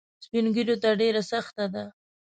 سپین ږیرو ته ډېره سخته ده.